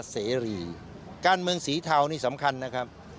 สีเทานี่สำคัญนะครับ